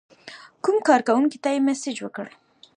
کوم کارکونکي ته یې مسیج وکړ.